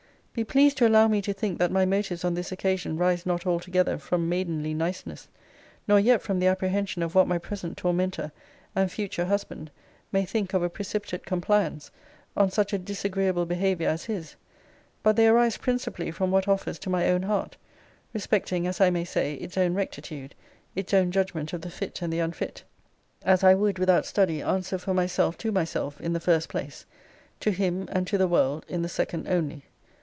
Be pleased to allow me to think that my motives on this occasion rise not altogether from maidenly niceness; nor yet from the apprehension of what my present tormenter, and future husband, may think of a precipitate compliance, on such a disagreeable behaviour as his: but they arise principally from what offers to my own heart; respecting, as I may say, its own rectitude, its own judgment of the fit and the unfit; as I would, without study, answer for myself to myself, in the first place; to him, and to the world, in the second only.